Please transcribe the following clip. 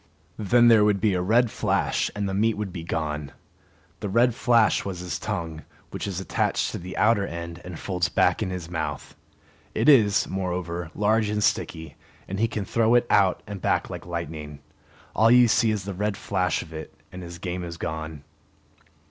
Then there would be a red flash and the meat would be gone. The red flash was his tongue, which is attached at the outer end and folds back in his mouth. It is, moreover, large and sticky, and he can throw it out and back like lightning. All you see is the red flash of it, and his game is gone.